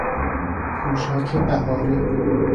پوشاک بهاره